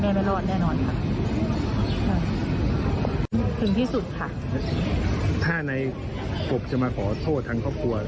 ไม่รอดแน่นอนค่ะถึงที่สุดค่ะถ้าในกบจะมาขอโทษทางครอบครัว